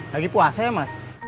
lagi puasa ya mas